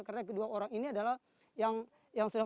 karena kedua orang ini adalah yang se revelasi